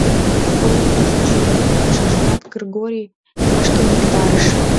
Ойлымыжо чын, пашажымат Кыргорий вашке виктарыш.